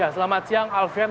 selamat siang alvin